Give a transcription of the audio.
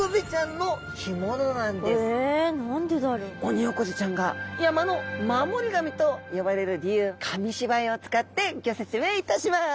オニオコゼちゃんが山の守り神と呼ばれる理由紙芝居を使ってギョ説明いたします。